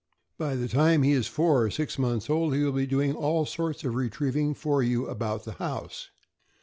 By the time he is four or six months old, he will be doing all sorts of retrieving for you about the house.